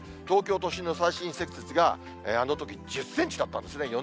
東京都心の最深積雪が、あのとき１０センチだったんですね。